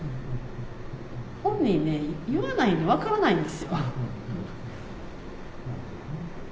本人ね言わないんで分からないんですよ。